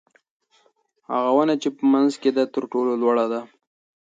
هغه ونه چې په منځ کې ده تر ټولو لوړه ده.